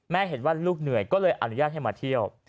เห็นว่าลูกเหนื่อยก็เลยอนุญาตให้มาเที่ยว